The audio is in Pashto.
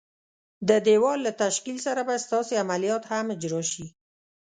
د دېوال له تشکیل سره به ستاسي عملیات هم اجرا شي.